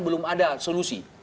belum ada solusi